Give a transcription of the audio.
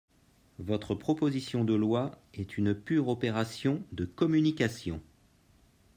Votre proposition de loi est une pure opération de communication.